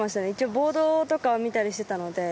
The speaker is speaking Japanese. ボードを見たりしていたので。